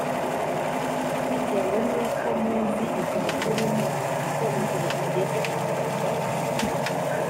bitewe n uko muzi igihe turimo ko igihe kigeze kugira ngo